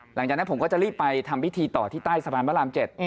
หลังจากนั้นผมก็จะรีบไปทำพิธีต่อที่ใต้สะพานพระราม๗